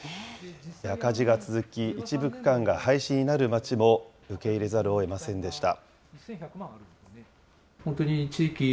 赤字が続き、一部区間が廃止になる町も受け入れざるをえませんでした。